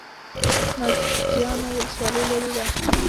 نازیانو ولسوالۍ لیرې ده؟